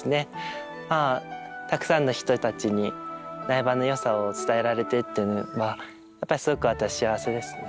たくさんの人たちに苗場のよさを伝えられてやっぱすごく私幸せですね。